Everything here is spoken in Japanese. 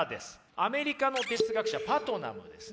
アメリカの哲学者パトナムですね。